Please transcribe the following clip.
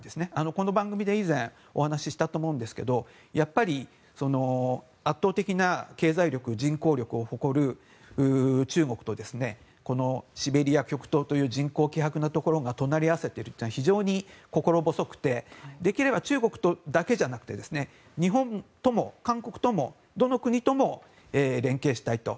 この番組で以前お話ししたと思うんですけどやっぱり圧倒的な経済力人口力を誇る中国とシベリア極東と人口希薄なところが隣り合わせているというのは非常に心細くてできれば中国とだけじゃなくて日本とも韓国ともどの国とも連携したいと。